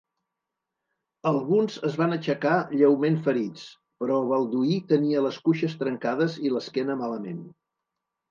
Alguns es van aixecar lleument ferits, però Balduí tenia les cuixes trencades i l'esquena malament.